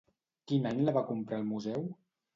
Quin any la va comprar el museu?